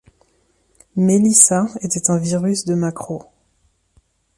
Melissa était un virus de macro.